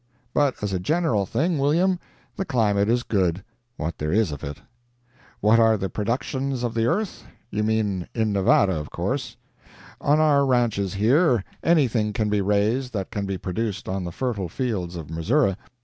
But as a general thing, William, the climate is good, what there is of it. What are the productions of the earth? You mean in Nevada, of course. On our ranches here, anything can be raised that can be produced on the fertile fields of Missouri.